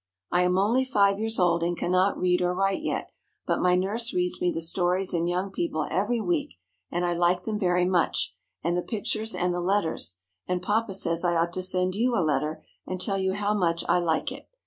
I am only five years old, and can not read or write yet, but my nurse reads me the stories in Young People every week, and I like them very much, and the pictures and the letters; and papa says I ought to send you a letter, and tell you how much I like it.